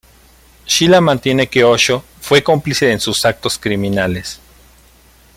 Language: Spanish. Shila mantiene que Osho fue cómplice en sus actos criminales.